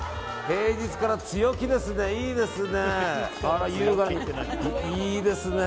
平日から強気ですね、いいですね。